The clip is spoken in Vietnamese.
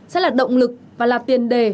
sẽ là động lực và là tiền đề